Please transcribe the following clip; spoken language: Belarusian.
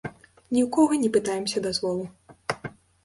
Ні ў кога не пытаемся дазволу.